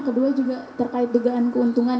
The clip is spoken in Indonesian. kedua juga terkait dugaan keuntungan